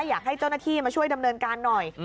อยากให้เจ้าหน้าที่มาช่วยดำเนินการหน่อย